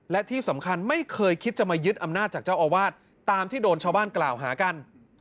และที่สำคัญไม่เคยคิดจะมายึดอำนาจจากเจ้าอาวาสตามที่โดนชาวบ้านกล่าวหากัน